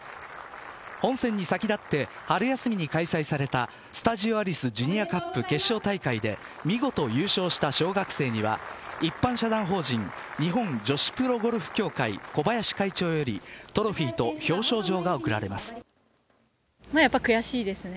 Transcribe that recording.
本戦に先立って春休みに開催されたスタジオアリスジュニアカップ決勝大会で見事優勝した小学生には一般社団法人日本女子プロゴルフ協会小林会長よりトロフィーとやっぱり悔しいですね。